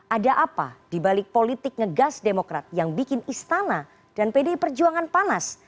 ada apa dibalik politik ngegas demokrat yang bikin istana dan pdi perjuangan panas